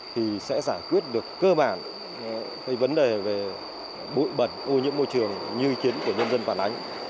thì sẽ giải quyết được cơ bản vấn đề bụi bẩn ô nhiễm môi trường như chiến của dân dân phản ánh